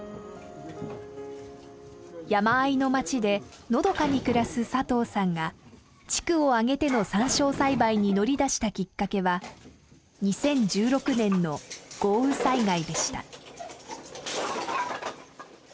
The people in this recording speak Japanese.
山あいの町でのどかに暮らす佐藤さんが地区を挙げてのサンショウ栽培に乗り出したきっかけは２０１６年の豪雨災害でした。